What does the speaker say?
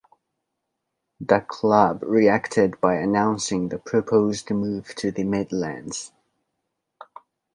The club reacted by announcing the proposed move to the Midlands.